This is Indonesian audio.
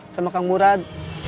sama kang murad